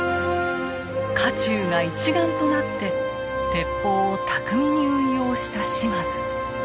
家中が一丸となって鉄砲を巧みに運用した島津。